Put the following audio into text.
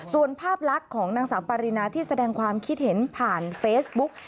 ส่วนภาพลักษณ์ของนางสาวปารินาที่แสดงความคิดเห็นผ่านเฟซบุ๊ก